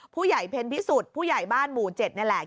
ผู้ใหญ่เพ็ญพิสุทธิ์ผู้ใหญ่บ้านหมู่๗นี่แหละ